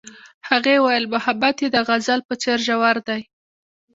هغې وویل محبت یې د غزل په څېر ژور دی.